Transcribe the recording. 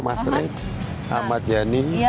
mas rik ahmad yani